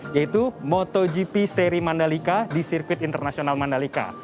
yaitu motogp seri mandalika di sirkuit internasional mandalika